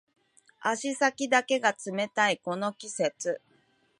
足先だけが冷たいこの季節